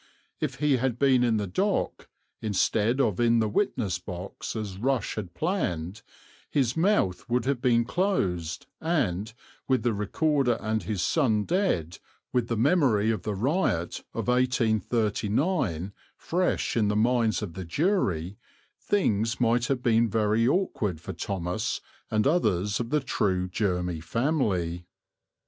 If he had been in the dock, instead of in the witness box, as Rush had planned, his mouth would have been closed and, with the Recorder and his son dead, with the memory of the riot of 1839 fresh in the minds of the jury, things might have been very awkward for Thomas and others of the true Jermy family.